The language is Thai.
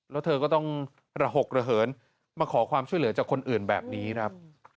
แล้วเธอก็ต้องระหกระเหินมาขอความช่วยเหลือจากคนอื่นแบบนี้ครับ